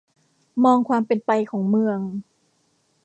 มองความเป็นไปของเมือง